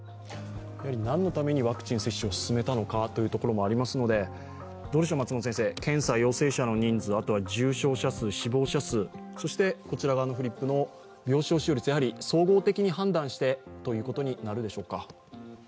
何のためにワクチン接種を進めたのかというところもありますので、検査陽性者の人数、重症者数、死亡者数、そしてこちら側のフリップの病床使用率、総合的に判断してということになるんでしょうか？